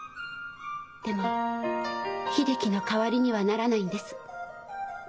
でも秀樹の代わりにはならないんです。